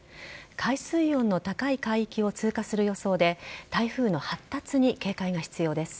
海水温の高い海域を通過する予想で台風の発達に警戒が必要です。